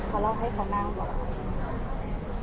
เขาเล่าให้เขานั่งบอก